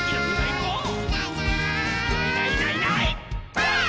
ばあっ！